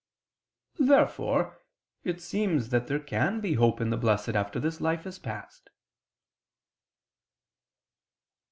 Therefore it seems that there can be hope in the Blessed after this life is past.